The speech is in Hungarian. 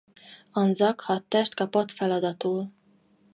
Anzac hadtest kapott feladatul.